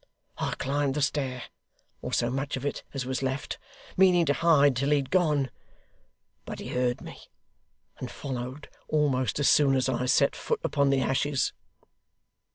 'I climbed the stair, or so much of it as was left; meaning to hide till he had gone. But he heard me; and followed almost as soon as I set foot upon the ashes.